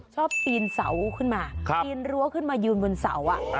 ปีนเสาขึ้นมาปีนรั้วขึ้นมายืนบนเสา